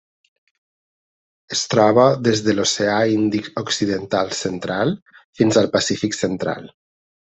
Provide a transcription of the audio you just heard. Es troba des de l'Oceà Índic occidental central fins al Pacífic central.